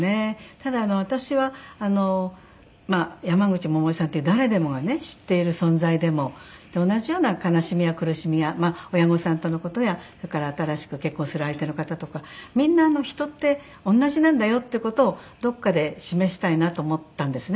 ただ私はあのまあ山口百恵さんという誰でもがね知っている存在でも同じような悲しみや苦しみや親御さんとの事やそれから新しく結婚する相手の方とかみんな人って同じなんだよっていう事をどこかで示したいなと思ったんですね。